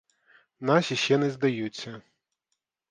Наші ще не здаються.